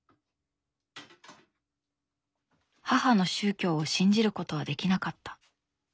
母の宗教を信じることはできなかった。